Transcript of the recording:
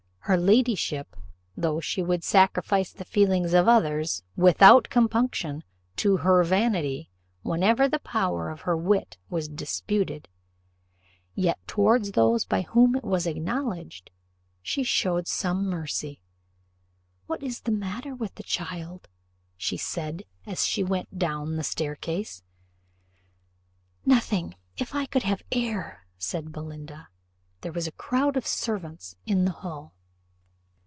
Her ladyship, though she would sacrifice the feelings of others, without compunction, to her vanity, whenever the power of her wit was disputed, yet towards those by whom it was acknowledged she showed some mercy. "What is the matter with the child?" said she, as she went down the staircase. "Nothing, if I could have air," said Belinda. There was a crowd of servants in the hall.